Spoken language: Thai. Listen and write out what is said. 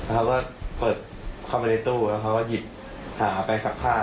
เขาก็เปิดเข้าไปในตู้แล้วเขาก็หยิบไปซักผ้า